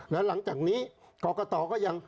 แล้วหลังจากนี้กรกตก็ยัง